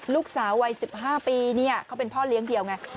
ลูกสาววัย๑๕ปีเขาเป็นพ่อเลี้ยงเดี่ยวไง